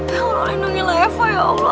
allah lindungilah eva ya allah